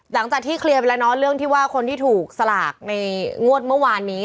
หลังจากที่เคลียร์ไปแล้วเนาะเรื่องที่ว่าคนที่ถูกสลากในงวดเมื่อวานนี้